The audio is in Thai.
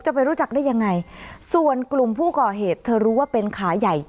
ไปรู้จักได้ยังไงส่วนกลุ่มผู้ก่อเหตุเธอรู้ว่าเป็นขาใหญ่